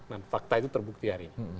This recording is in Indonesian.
nah fakta itu terbukti hari ini